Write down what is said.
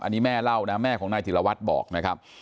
อันนี้แม่เล่านะแม่ของนายธิรวัตรบอกนะครับ